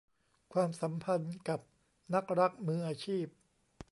ความสัมพันธ์กับนักรักมืออาชีพ